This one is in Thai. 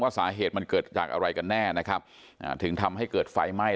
สาเหตุมันเกิดจากอะไรกันแน่นะครับถึงทำให้เกิดไฟไหม้